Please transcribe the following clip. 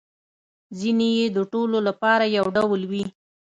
ځینې يې د ټولو لپاره یو ډول وي